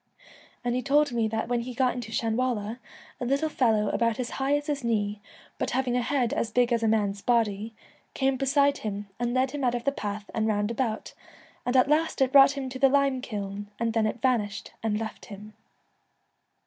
An' he told me that when he got into Shanwalla, a little fellow about as high as his knee, but having a head as big as a man's body, came beside him and led him out of the path an' round about, and at last it brought him to the lime kiln, and then it vanished and left him.'